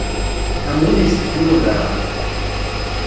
Am win iceṭḥen i uderɣal.